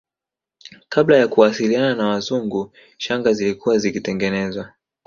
Kabla ya kuwasiliana na Wazungu shanga zilikuwa zikitengenezwa